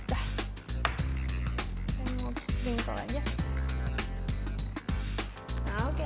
dan dulu kita bisa tambah gampang saja oke